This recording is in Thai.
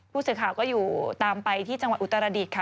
ผู้สื่อข่าวก็อยู่ตามไปที่จังหวัดอุตรดิษฐ์ค่ะ